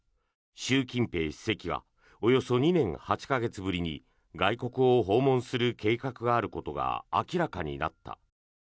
習近平主席がおよそ２年８か月ぶりに外国を訪問する計画があることが明らかになった。